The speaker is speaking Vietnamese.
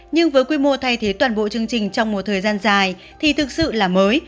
nhưng với quy mô thay thế toàn bộ chương trình trong một thời gian dài thì thực sự là mới